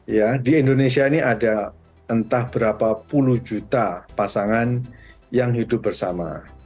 ya di indonesia ini ada entah berapa puluh juta pasangan yang hidup bersama